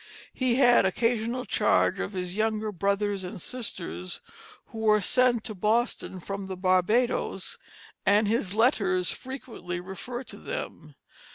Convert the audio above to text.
He had occasional charge of his younger brothers and sisters, who were sent to Boston from the Barbadoes, and his letters frequently refer to them.